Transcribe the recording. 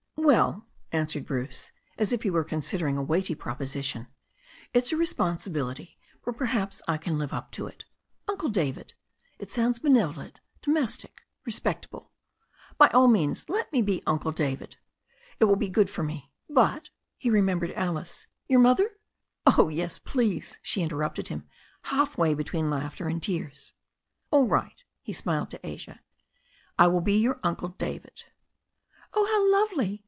"Well," answered Bruce,' as if he were considering a weighty proposition, "it's a responsibility, but perhaps I can live up to it. Uncle David — it sounds benevolent, domestic, respectable. By aM means let me be Uncle David. It will be good for me. But" — ^he remembered Alice — ^"your mother ?" "Oh, please, yes," she interrupted him, half way between laughter and tears. "All right," he smiled at Asia, "I will be your Uncle David." "Oh, how lovely